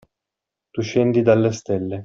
Tu scendi dalle stelle.